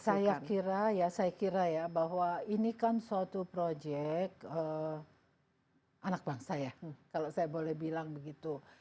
saya kira ya saya kira ya bahwa ini kan suatu proyek anak bangsa ya kalau saya boleh bilang begitu